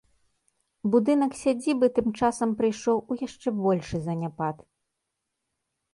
Будынак сядзібы тым часам прыйшоў у яшчэ большы заняпад.